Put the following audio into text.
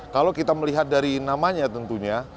kalau kita melihat dari namanya tentunya